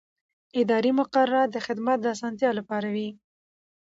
اداري مقررات د خدمت د اسانتیا لپاره دي.